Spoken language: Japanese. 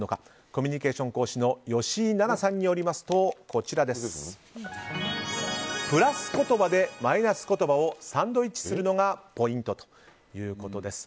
コミュニケーション講師の吉井奈々さんによりますとプラス言葉でマイナス言葉をサンドイッチするのがポイントということです。